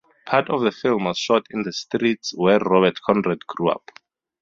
Part of the film was shot in the streets where Robert Conrad grew up.